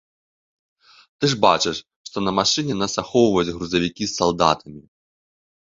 Ты ж бачыш, што на машыне нас ахоўваюць грузавікі з салдатамі.